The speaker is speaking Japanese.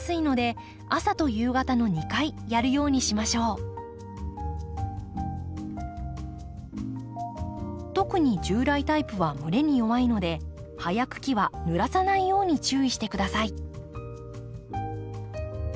夏場は乾燥しやすいので特に従来タイプは蒸れに弱いので葉や茎はぬらさないように注意して下さい。